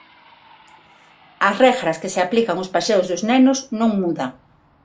As regras que se aplican aos paseos dos nenos non mudan.